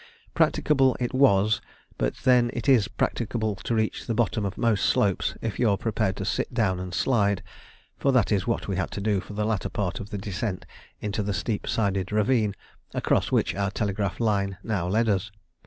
Practicable it was, but then it is practicable to reach the bottom of most slopes if you are prepared to sit down and slide; for that is what we had to do for the latter part of the descent into the steep sided ravine, across which our telegraph line now led us.